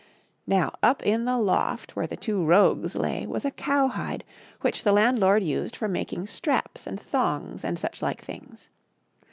Now up in the loft where the two rogues lay was a cowhide, which the landlord used for making straps and thongs and such like things.